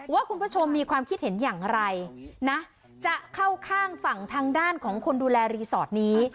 ว่าคุณผู้ชมมีความคิดเห็นอย่างไรนะจะเข้าข้างฝั่งทางด้านของคนดูแลรีสอร์ทนี้